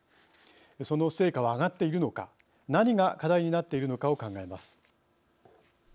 その成果はあがっているのか何が課題になっているのかを考えます。